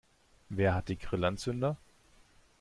Wer hat die Grillanzünder?